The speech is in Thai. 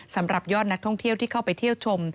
สำหรับยอดนักท่องเที่ยวที่เข้าไปเที่ยวชม